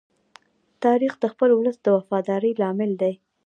تاریخ د خپل ولس د وفادارۍ لامل دی.